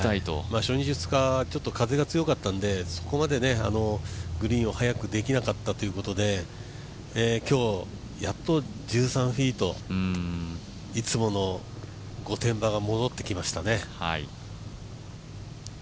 初日、２日風が強かったんでグリーンを早くできなかったということで今日、やっと１３フィートいつもの御殿場が戻ってきましたね。